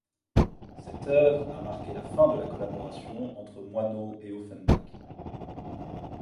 Cette œuvre a marqué la fin de la collaboration entre Moinaux et Offenbach.